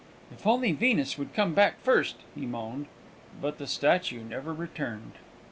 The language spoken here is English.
"If only Venus would come back first!" he moaned; but the statue never returned.